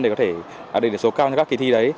để có thể đạt được số cao cho các kỳ thi đấy